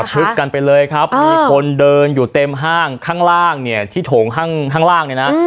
ทึกกันไปเลยครับมีคนเดินอยู่เต็มห้างข้างล่างเนี่ยที่โถงข้างล่างเนี่ยนะ